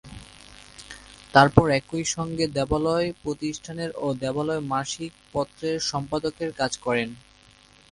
তারপর একই সঙ্গে 'দেবালয়' প্রতিষ্ঠানের ও 'দেবালয়' মাসিক পত্রের সম্পাদকের কাজ করেন।